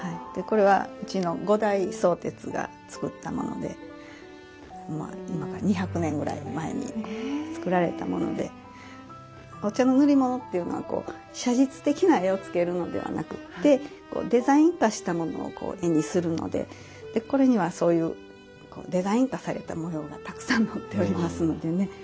これは五代宗哲が作ったもので今から２００年ぐらい前に作られたものでお茶の塗り物っていうのはこう写実的な絵をつけるのではなくってデザイン化したものを絵にするのでこれにはそういうデザイン化されたものがたくさん載っておりますのでね